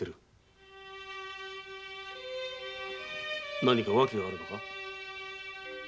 何か訳があるのか？